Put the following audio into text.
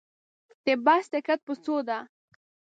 د بس ټکټ په څو ده